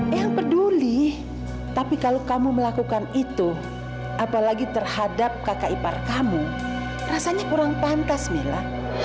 yang peduli tapi kalau kamu melakukan itu apalagi terhadap kakak ipar kamu rasanya kurang pantas mila